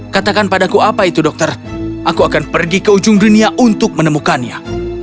katakan padaku apa itu dokter aku akan pergi ke ujung dunia untuk menemukannya